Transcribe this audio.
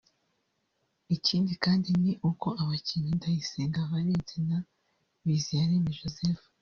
Ikindi kandi ni uko abakinnyi Ndayisenga Valens na Biziyaremye Joseph